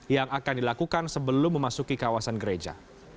yang akan dilakukan sebelum memasuki kawasan gereja